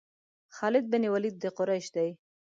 خالد بن ولید د قریش دی.